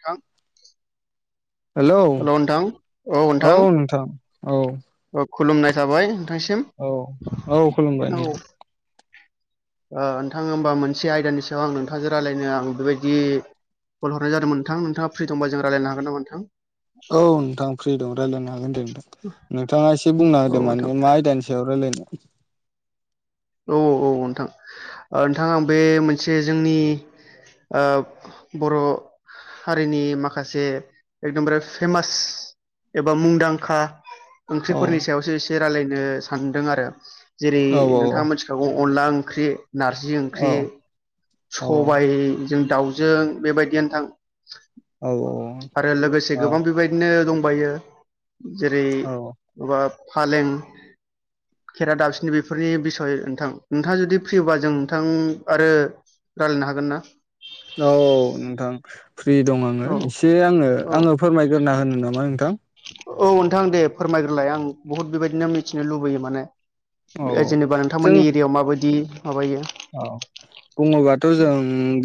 थां हेलौ औ नोंथां औ खुलुमनाय थाबाय नोंथांसिम औ औ खुलुमबाय औ नोंथां नोंथां होमबा मोनसे आयदानि सायाव आं नोंथांजों रायलायनो आं बेबायदि कल हरनाय जादों नोंथां नोंथांङा फ्रि दंबा जों रायजायनो हागोन ना नोंथां औ नोंथां फ्रि दं रायज्लायनो हागोन दे नोंथाङा एसे बुंना नोंथां औ होदों नोंथां माने मा आयदानि सायाव [unintelligible] औ औ औ नोंथां ओ नोंथांआ बे मोनसे जोंनि ओ बर' हारिनि माखासे एकदमबारे फेमास एबा मुंदांखा औ ओंख्रिफोरनि सायावसो एसे रायलायनो सानदों आरो जेरै औ नोंथाङा मिथिखागौ अनला ओंख्रि नारजि ओंख्रि औ सबायजों दाउजों बेबायदियानो थां औ आरो लोगोसे औ गोबां बेबायदिनो दं फंबायो जेरै औ माबा फालें खरा दाबसिनि बेफोरनि बिस नोंथां नोंथाङा जुदि फ्रि बा जों नोंथां आरो रायज्लायनो हागोन ना औ नोंथां फ्रि दं आङो औ एसे आङो औ आङो फोरमायग्रोना होन नामा नोंथां औ नोंथां दे फोरमायग्रोलाय आं बहुद बेबायदिनो मिथिनो लुबैयो माने औ औ जेनेबा जों नोंथांमोननि एरियाायाव माबायदि माबायो औ बुङोबाथ' जों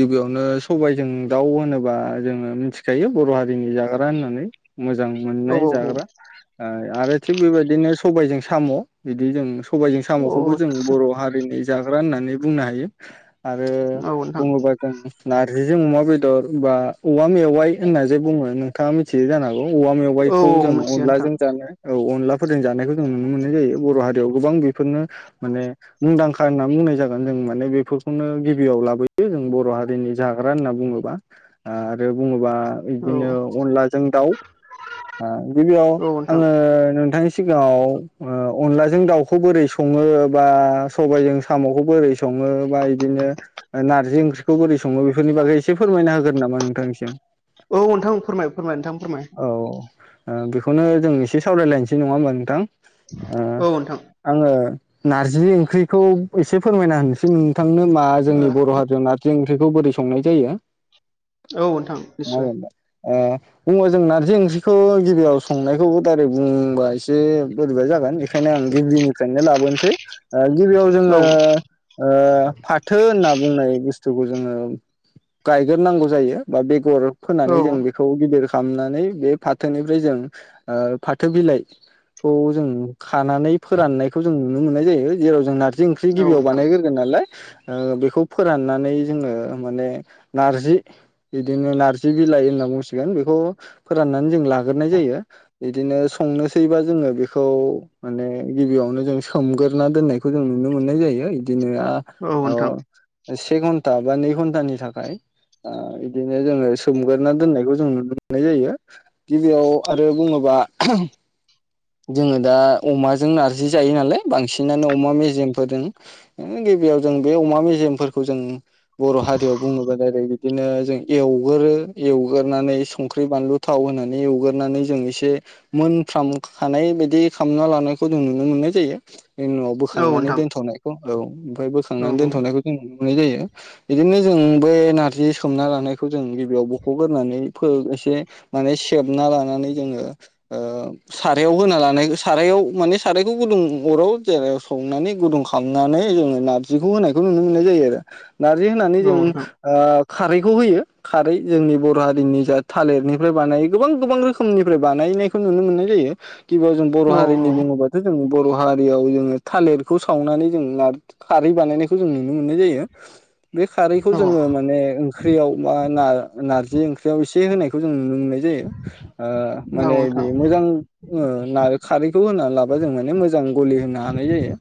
गिबियावनो सबायाइजों दाउ होनोबा जोङो मिथिखायो बर' हारिनि जाग्रा होननानै मोजां औ मोननाय औ जाग्रा आरो थिग बेबायदिनो सबायजों साम' बिदि जों सबायजों औ साम'खौबो जों बर' हारिनि जाग्रा होननानै बुंनो हायो आरो औ नोंथां बुङोबा जोंना जों अमा बेदर बा औवा मेवाइ होनना जे बुङो नोंथाङा मिथियो जान होगौ औ औवा औ मेवाइखौ औ जों मिथियो नोंथां अनलाजों जानो औ अनलाफोरजों जानायखौ जों नुनो मोननाय जायो बर' हारि गोबां बेफोरनो माने मुंदांखा होननानै बुंनाय जागोन जों माने बेफोरखौनो गिबियाव लाबोयो जों बर' हारिनि जाग्रा होनना बुङोबा ओ आरो बुङोबा औ बिदिनो अलाजों दाउ गिबियाव औ नोंथां आङो नोंथां सिगाङाव अनलाजों दाउखौ बोरै सङो बा सबायजों साम'खौ बोरै सङो बा इदिनो नारजि ओंख्रिखौ बोरै सङो बेफोरनि बागै एसे फोरमायना होगोन नामा नोंथांसिम औ नोंथां फोरमाय फोरमाय नोंथां फोरमाय औ बेखौनो जों एसे सावरायलायनोसै नङा होमा नोंथां ओ औ नोंथां आङो नारजि ओंख्रिखौ एसे फोरमायना होनोसै नोंथांनो मा जोंनि बर' हारियाव नारजि ओंख्र ओंख्रिखौ बोरै संनाय जायो औ नोंथां नङा निस्य होनबा ओ ओमबा जों नारजि ओंख्रिखौ गिबियाव संनायखौ दायरेक बुंबा एसेर बो बाय जागोन बेखायनो आं गिबिनिफ्रायनो लाबोनोसै गिबियाव औ जोङो ओ फाथो होनना बुंनाय बुस्थु खौ जोङो गायग्रो नांगौ जायो बा बेगर औ फोनानै जों बेखौ गिदिर खालामनानै बे फाथोनिफ्राय जों ओ फाथो बिलाइखौ जों खानानै फोराननायखौ जों नुनो मोननाय जायो जेराव जों नारजि ओंख्रि गिबियाव नोंथां बानायग्रोगोन नालाय। ओ बेखौ फोराननानै जोङो माने नारजि बिदिनो नारजि बिला लाइ होनना बुंसिगोन बेखौ फोराननानै जों लागोरनाय जायो बिदिनो संनोसैबा जोङो बेखौ माने गिबियावनो जों सोमगोरना दोननायखौ जों नुनो मोननाय जायो इदिनो आ औ ओ नोंथां से घन्टा बा नै घन्टानि थाखाय आ इदिनो जोङो सोमगोरा दोननायखौ जों नुनो मोननाय जायो गिबियाव आरो बुङोबा [unintelligible] जोङो दा अमाजों नारजि जायो नालाय बांसिनानो अमा मेजेमफोरजों [unintelligible] बेयाव जों बे अमा मेजेमफोरखौ जों बर' हारियाव बुङोबा [unintelligible] बिदिनो जों एवगोरो एवगोरानै संख्रि बानलु थाव होनानै एवगोरानै जों इसे मोनफ्राम हानाय बिदि खामना लानायखौ जों नुनो मोननाय जायो [unintelligible] उनाव औ बोखांनानै नोंथां दोनथ'नायखौ औ ओमफाय औ बोखांनानै दोनथनायखौ जों नाय जायो इदिनो जों बे नारजि सोमना लानायखौ जों गिबियाव बख'गोरननानै फो इसे माने सेबना लानानै जोङो ओ सारायाव होना लानाय सारायाव माने सारायखौ गुदुं अराव जेरायाव संनानै गुदुं खामनानै [unintelligible] नारजिखौ होनायखौ नुनो मोननाय जायो आरो नारजि होनानै औ जों नोंथां ओ खारैखौ होयो खारै जोंनि बर' हारिनि जा थालिरनिफ्राय बानायो गोबां गोबां रोखोमनिफ्राय बानाय [unintelligible] नुनो मोननाय जायो गिबियाव जों बर' औ हारिनि बुङोबाथ' जों बर' हारियाव जोङो थालिरखौ सावनानै जों खारै बानायनायखौ जों नुनो मोननाय जायो बे खारैखौ औ जोङो माने ओंख्रियाव बा नार नारजि ओंख्रियाव एसे होनायखौ जोङो नुनो मोननाय जायो ओ माने नोंथां बे मोजां ओ नार खारैखौ होनानै लाबा जों माने मोजां गलि होनो हानाय जायो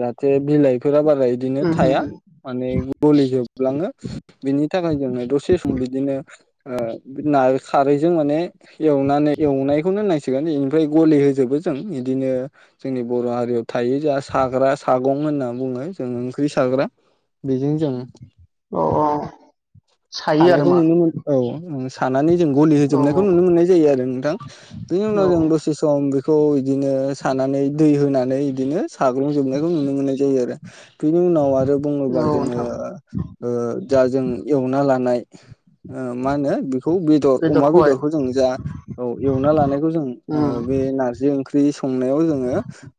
जाहाथे बिलाइफोरा बारा इदिनो उम थाया उम माने गलिजोबलाङो बिनि थाखाय जोङो दसे सम बिदिनो ओ नार खारैजों माने एवनानै एवनायखौनो होननांसिगोन ओमफ्राय गलि होजोबो जों इदिनो जोंनि बर' हारियाव थायो जा साग्रा सागं होनना बुङो जों ओंख्रि साग्रा बेजों जों अ। सानायखौ नुनो मोन औ सानानै गलि औ होजोबनायखो नुनो मोननाय जायो आरो नोंथां बिनि उनाव औ औ जों दसे सम बेखौ इदिनो सानानै दै होनानै इदिनो साग्लुं जोबनायखौ नुनो मोननाय जायो आरो बिनि उनाव आरो बुङोबा जोङो नोंथां ओ दा जों एवना लानाय ओ मा होनो बेखौ बेदर अमा बेदरखौहाय बेदरखौ जों जा औ एवना लानायखौ जों ओ उम बे नारजि ओंख्रि संनायाव जोङो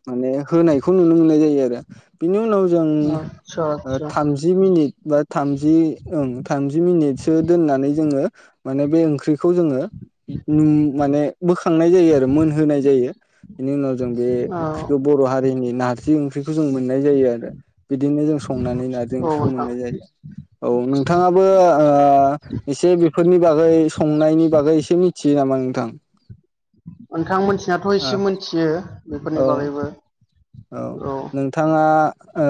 माने होनायखौ नुनो मोननाय जायो आरो बिनि उनाव आदसा जों आदसा थामजि मिनिथ बा थामजि ओं थाम जि मिनिथसो दोननानै जोङो माने बे ओंख्रिखौ जोङो ओम माने बोखांनाय जायो आरो मोनहोनाय जायो बेनि उनाव जों बे औ ओंख्रिखौ बर' हारिनि ना नारजि ओंख्रिखौ जों मोननाय जायो आरो बिदिनो जों संनानै नारजि ओंख्रिखौ नोंथां मोननाय जायो। औ नोंथाङा बो ओ एसे बेफोरनि बागै संनायनि बागै एसे मिथियो नामा नोंथां? नोंथां मोनथिनाथ' ओ इसे मोनथियो बिफोरनि औ बागैबो औ नोंथाङा ओ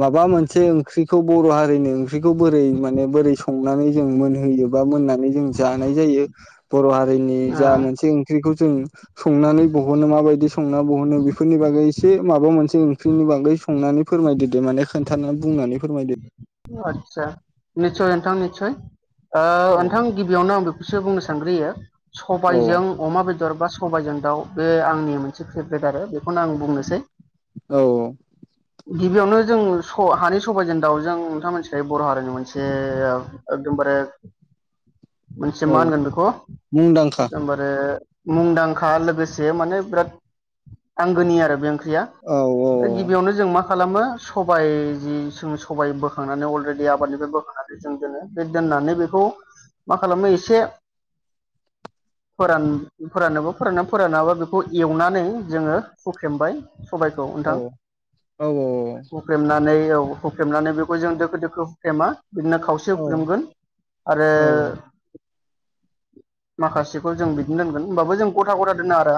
माबा मोनसे ओंख्रिखौ बर' हारिनि ओंख्रिखौ बोरै माने बोरै संनानै जों मोनहोयोबा मोनना जों जानाय जायो बर' हारिनि जा ओ मोनसे ओंख्रिखौ जों संनानै बहनो माबायदि संना बहनो बेफोरनि बागैसे मबा मोनसे ओंख्रिनि बांगै संनानै फोरमायदोदे माने खोन्थानानै बुंनानै फोरमायदो आतसा निसय नोंथां निसय ओ औ नोंथां गिबियावनो आं बेखौसो बुंनो सानग्रोयो औ सबायजों अमा बेद दर बा सबायजों दाउ बे आंनि मोनसे फेभ्रेट आरो बेखौनो आं बुंनोसै। औ‌ औ। गिबियावनो जों स हानि सबायजों दाउजों मोनथिखायो बर' हारिनि मोनसे एकदमबारे मोनसे औ मा होनगोन बेखौ मुंदांखा एकदमबारे मुंदांखा लोगोसे माने बिराद आंगोनि आरो बे ओं ख्रिया औ औ गिबियावनो जों मा खालामो सबाय जि जों सबाय बोख बोखांनानै अलरेडि आबादनिफ्राय बोखांनानै जों दोनो बे दोननानै बेखौ मा खालामनो एसे [inaudible] फोरान फोरानोबा फोरानना फोरानाबा बेखौ एवनानै जोङो हुख्रेमबाय सबायखौ औ नोंथां औ हुख्रेमनानै बेव हुख्रेमनानै बेखौ जों दोखो दोखो हुख्रेमा बिदिनो खावसे औ हुख्रेमगोन आरो औ माखासेखौ जों बिदिनो दोनगोन होनबाबो जों गथा गथा दोना आरो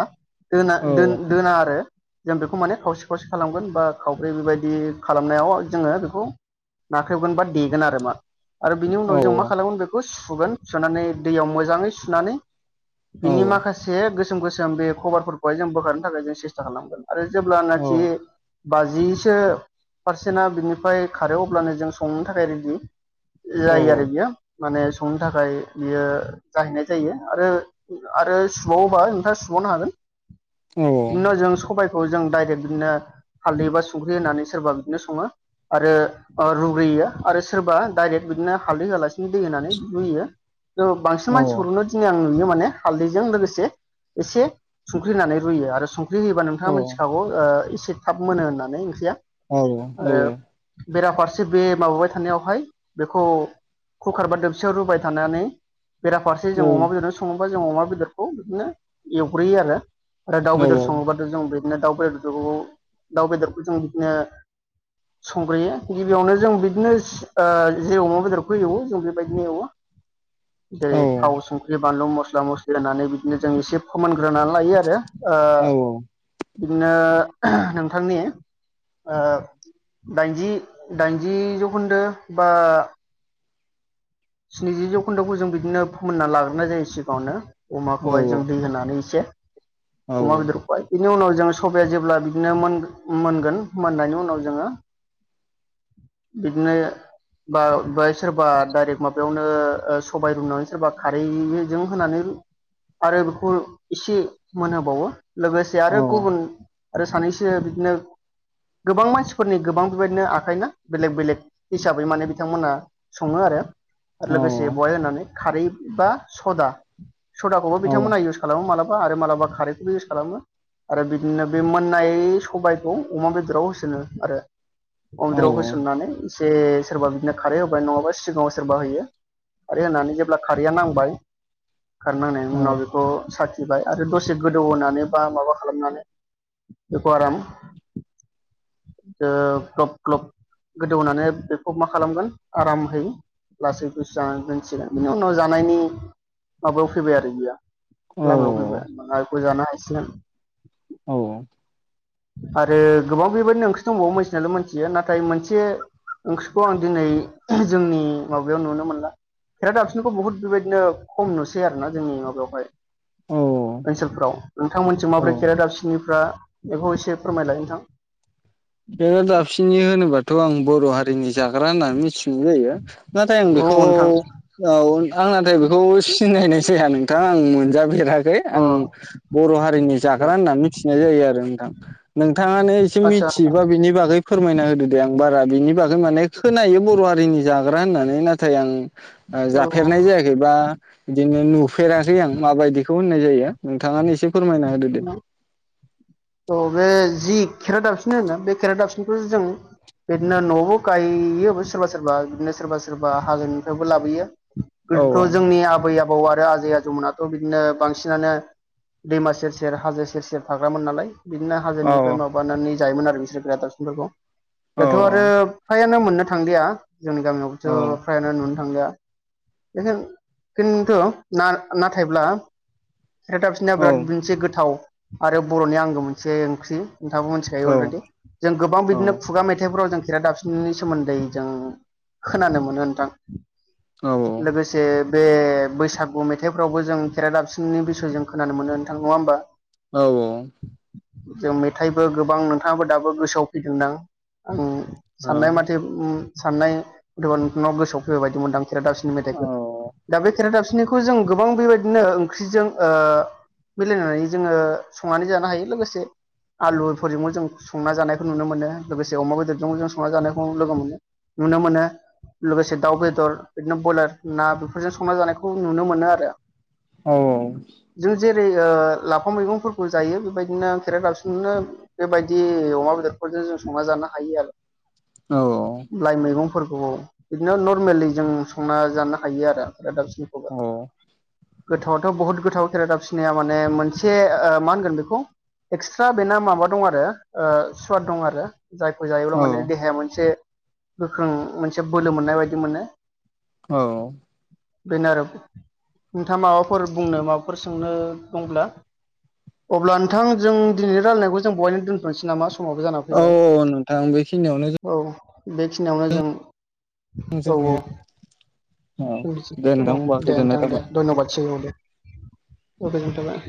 दोना औ दोन दोना आरो जों बेखौ माने खावसे खावसे खालामगोन बा खावब्रै बेबायदि खालामनायाव जोङो बेखौ नाख्रेबगोन बा देगोन आरो मा आरो बिनि औ उनाव जों मा खालामगोन बेखौ सुगोन सुनानै दैयाव मोजाङै सुनानै बिनि माखासे सोम गोसोम बे खबरफोरखौहाय जों बोखारनो थाखाय जों सेस्था खालामगोन आरो जेब्लानाखि औ बाजिसो पारसेन्टआ बिनिफाय खारो अब्लानो जों संनो थाखाय रेडि औ जायो आरो बेयो माने संनो थाखाय बियो जाहैनाय जायो आरो आरो सुबावोबा नोंथां सुब सुबावनो हागोन औ नि उनाव जों सबाय औ जों डाइरेक्ट बिदिनो हालदै एबा संख्रि होनानै सोरबा बिदिनो सङो आरो रुग्रोयो आरो सोरबा डाइरेक्ट बिदिनो हालदै होवालासिनो दै होनानै रुयो बांसिन मानसिफोरखौनो दिनै आं‌ नुयो माने हालदैजों लोगोसे एसे संख्रि होनानै रुयो आरो सं ख्रि होयोबा नोंथाङा मोनथिखागौ एसे थाब मोनो होननानै ओंख्रिया औ औ आरो बेराफारसे बे माबाबाय थानायावहाय बेखौ कुकार बा दोबसेयाव रुबाय थानानै बेराफारसे जों अमा बेदरजों सङोबा जों अमा बेदरखौ बिदिनो एवग्रोयो आरो आरो दाउ बेदर सङोब्लाथ' जों बे दिनो दाउ बेदरखौ दाउ बेदरखौ जों बिदिनो संग्रोयो गिबियावनो जों बिदिनो ओ जे अमा बेदरखौ एवो जों बेबायदिनो एवो जेरै थाव संख्रि बानलु मस्ला मस्लि होनानै बिदिनो जों एसे फोमोनग्रोना लायो आरो ओ बिदिनो नोंथांनि ओ दाइनजि दाइनजि जौखोन्दो बा स्निजि जौखोन्दोखौ जों बिदिनो फोमोनना लाग्रोनाय जायो सिगाङावनो अमाखौहाय जों दै होनानै एसे अमा बेदरखौहाय बेनि उनाव जों सबाया जेब्ला बिदिनो मोन मोनगोन मोननायनि उनाव जोङो बिदिनो बा बायसोर बा दाइरिक माबायावनो ओ सबाय रुनानै सोरबा खारैजों होनानै आरो बेखौ इसे मोनहोबावो लोगोसे आरो गुबुन आरो सानैसो बिदिनो गोबां मानसिफोरनि गोबां बेबायदिनो आखायना बेलेग बेलेग हिसाबै माने बिथांमोनहा सङो आरो आर लोगोसे बहाय होनानै खारै बा सदा सदाखौबो बिथांमोना इउस खालामो मालाबा बा आरो माबलाबा खारैखौबो इउस खालामो आरो बिदिनो बे मोननाय सबायखौ अमा बेदराव होसनो आरो अमा बेदराव होसननानै एसे सोरबा बिदिनो खारै होबाय नङाबा सिगाङाव सोरबा होयो खारै होनानै जेब्ला खारैया नांबाय खार नांनायनि उनाव बेखौ सा बाय आरो दसे गोदौ होनोनानै बा माबा खालामनानै बेखौ आराम ओ ग्लब ग्लब गोदौनानै बेखौ मा खालामगोन आरामहै लासै गुसु जानानै दोंसे बिनि उनाव जानायनि माबायाव फैबाय आरो बियो लामायाव फैबाय [inaudible] जानो हासिगोन औ आरो गोबां बेबायदिनो ओंख्रि दंबावो मोनथिनायाथ' मोनथियो नाथाय मोनसे ओंख्रिखौ आं दिनै जोंनि माबायाव नुनो मोनला खेराादफिनिखौ बुहुत बेबायदिनो खम नुसै आरो ना जोंनि माबायाव हाय। ओनसोलफ्राव नोंथांमोनस माब्रै खेरादाफिनिफ्रा बेखौ एसे फोरमायलाय नोंथां खेरादाफिनि होनोबाथ' आं बर' हारिनि जाग्रा होननानै मिथिनाय जायो नाथाय आं औ बेखौ नोंथां औ आं नाथाय बेखौ सिनायनाय जाया नोंथां आं मोनजाफेराखै [inaudible] अ आं बर' हारिनि आदसा जाग्रा होननानै मिथिनाय जायो आरो नोंथां नोंथाङानो एसे मि आदसा नोंथां थियोबा बिनि बागै फोरमायना होदो दे आं बारा बिनि बागै माने खोनायो बर' हारिनि जाग्रा होननानै नाथाय आं औ जाफेरनाय जायाखै बा बिदिनो नुफेराखै आं माबायदिखौ होननाय जायो। नोंथाङानो एसे फोरमायनाय? [inaudible] औ बे जि खेरादाफिनि होनो बे खेरादाफिनिखौ जों बिदिनो न'वाव गायो सोरबा सोरबा बिदिनो सोरबा सोरबा हाजोानिफ्रायबो लाबोयो। औ गोदोथ' जोंनि आबै आबौ औ आरो आजै आजौमोनथ' बिदिनो बांसिनानो दैमा सेर सेर सेर हाजो सेर सेर थाग्रामोन नालाय बिदिनो औ हाजोनिफ्राय माबानानै जायोमोन आरो बिसोर खेरादाफिनि फोरखौ। औ दाथ' आरो फ्रायानो मोननो थांलिया जोंनि औ गामियावबोथ' फ्रायानो नुनो थांलिया [inaudible] खिन्थु ना नाथायब्ला खेरादाफिनिया औ बिराद औ मोनसे गोथाव आरो बर'नि आंगो मोनसे ओंख्रि। नोंथाङाबो औ मिथिखायो अलरेडि जों गोबां बिदिनो खुगा मेथाइफोराव जों खेरादाफिनिनि सोमोन्दै जों खोनानो मोनो नोंथां। लोगोसे बे बैसागु मेथाइफ्रावबो जों खेरादिफिनिनि बिसय जों खोनानो मोनो नोंथां नङा होमबा? औ औ। जों मेथाइबो गोबां नोंथाङाबो दाबो गोसोआव फैदोंदां आं साननाय माथे उम साननाय दनाव गोसोआव फैबायायदि मोनदां खेरादाफिनि मेथाइखौ दा बे खेरादाफिनिखौ जों गोबां बेबायदिनो ओंख्रिजों ओ मिलायनानै जोङो संनानै जानो हायो लोगोसे आलुफोरजोंबो जों संना जानायखौ नुनो मोनो लोगोसे अमा बेदरजोंबो जों संना जानायखौ लोगो मोनो नुनो मोनो लोगोसे दाउ बेदर बिदिनो ब्रयलार ना बेफोरजों संना जानायखौ नुनो मोनो आरो औ। [inaudible] लाफा मैगंफोरखौ जायो बेबायदिनो खेरादाफिनिनो बेबायदि अमा बेदरफोर जों संना जानो हायो आरो। लाइ मैगंफोरखौ बिदिनो नर्मेलि जों संना जानो हायो आरो खेरादाफिनिखौबो। औ गोथावथ' बहुद गोथाव खेरादाफिनाया माने मोनसे मा होनगोन बेखौ एक्सट्रा बेना माबा दं आरो ओ सुवाद दं आरो जायफोर जायोब्ला माने देहाया मोनसे गोख्रों मोनसे बोलो मोननाय बायदि मोनो। औ। बेनो आरो नोंथाङा माबाफोर बुंनो माबाफोर सोंनो दंब्ला अब्ला नोंथां जों दिनैनि रायलायनायखौ जों बहायनो दोनथ'नोसै नामा? समाबो जाना अ फैबाय नोंथां बेखिनियावनो जों औ बेखिनियावनो जों औ जोंनि औ औ दे [inaudible] नोंथां औ होनबा दे गोजोननाय नोंथां थाबाय। दे धय्नबादसै औ दे। गोजोन्नाय थाबाय